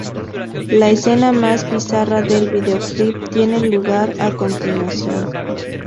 La escena más bizarra del videoclip tiene lugar a continuación.